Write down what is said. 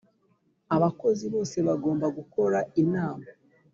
abakozi bose bagomba gukora inama